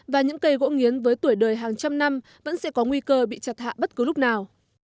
và những cây gỗ nghiến với tuổi đời hàng trăm năm vẫn sẽ có nguy cơ bị chặt hạ bất cứ lúc nào